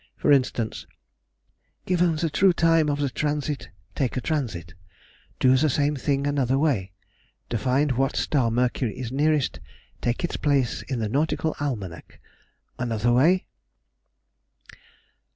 For instance:— "Given the true time of the transit—take a transit. Do the same thing another way. To find what star Mercury is nearest. Take its place in the Nautical Almanac. Another way....